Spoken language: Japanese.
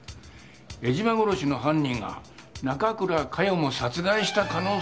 江島殺しの犯人が中倉佳世も殺害した可能性があるという事か。